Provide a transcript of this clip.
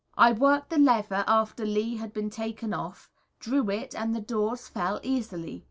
I worked the lever after Lee had been taken off, drew it, and the doors fell easily.